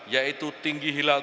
yaitu tinggi hilal